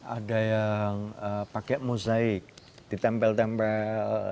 ada yang pakai mosaik ditempel tempel